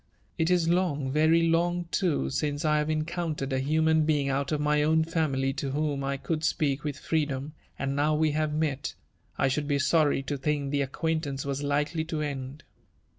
It is long, very long too, since I have eneoun tered a human being out of my own family to whom I could speak with freedom ; and now we have met, I should be sorry to think the ac quaintance was likely to end."